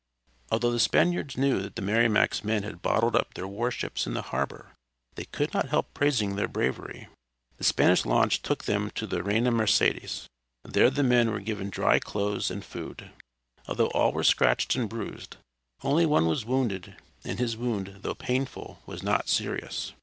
Although the Spaniards knew that the Merrimac's men had bottled up their war ships in the harbor, they could not help praising their bravery. The Spanish launch took them to the Reina Mercedes. There the men were given dry clothes and food. Although all were scratched and bruised only one was wounded, and his wound, though painful, was not serious.